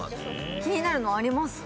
気になるのあります？